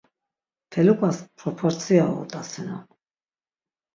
Feluǩas proportsia uğut̆asinon.